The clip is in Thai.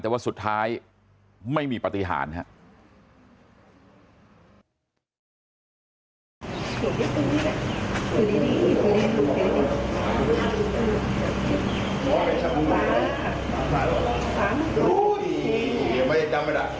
แต่ว่าสุดท้ายไม่มีปฏิหารครับ